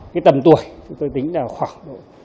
cái tầm tuổi tôi tính là khoảng độ